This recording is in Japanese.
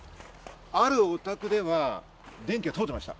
あるお宅では電気が通ってました。